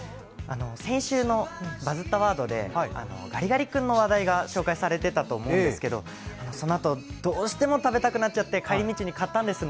先週の「バズったワード」でガリガリ君の話題が紹介されていたと思うんですけどそのあと、どうしても食べたくなっちゃって帰り道に買ったんです。